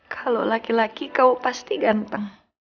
kalau laki laki kau pasti ganteng